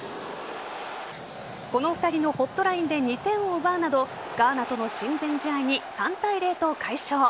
この２人のホットラインで２点を奪うなどガーナとの親善試合に３対０と快勝。